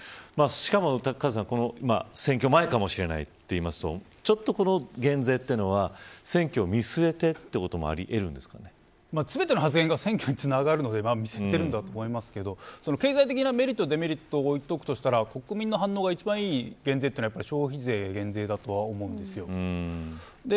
しかもカズさん、今選挙前かもしれないというとちょっと、この減税というのは選挙を見据えてということも全ての発言が選挙につながるので経済的なメリット、デメリットを言っておくとしたら国民の反応が一番いいというのは消費税減税だと思うんですよ。